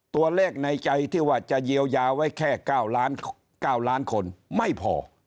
ในใจที่ว่าจะเยียวยาไว้แค่๙ล้านคนไม่พอ